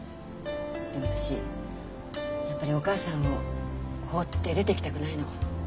でも私やっぱりお義母さんを放って出ていきたくないの。